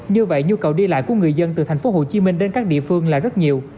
như vậy nhu cầu đi lại của người dân từ tp hcm đến các địa phương là rất nhiều